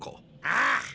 ああ！